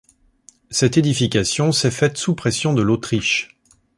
Cette édification s'est faite sous pression de l'Autriche.